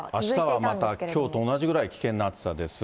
あしたはまたきょうと同じぐらい危険な暑さです。